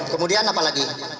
kemudian apa lagi